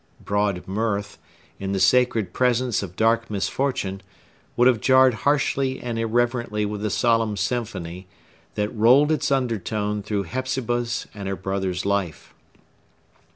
Broad mirth, in the sacred presence of dark misfortune, would have jarred harshly and irreverently with the solemn symphony that rolled its undertone through Hepzibah's and her brother's life.